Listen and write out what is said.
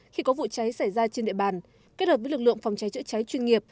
khi có vụ cháy xảy ra trên địa bàn kết hợp với lực lượng phòng cháy chữa cháy chuyên nghiệp